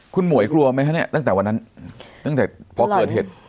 คุณหมวยกลัวไหมคะเนี่ยตั้งแต่วันนั้นตั้งแต่พอเกิดเหตุ